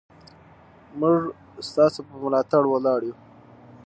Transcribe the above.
موږ ستاسو په ملاتړ ولاړ یو.